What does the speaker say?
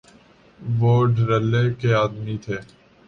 وہ دھڑلے کے آدمی تھے۔